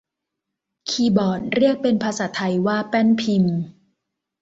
คีย์บอร์ดเรียกเป็นภาษาไทยว่าแป้นพิมพ์